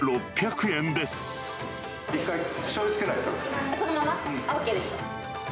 一回しょうゆつけないで食べそのまま？ＯＫ。